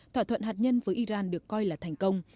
thỏa thuận hạt nhân với iran được coi là thành công